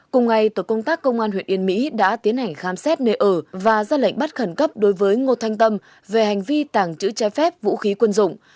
công an huyện yên mỹ đã tiến hành khám xét nơi ở và ra lệnh bắt khẩn cấp đối với ngô thanh tâm về hành vi tàng trữ trái phép vũ khí quân dụng